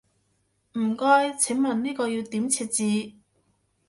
唔該，請問呢個要點設置？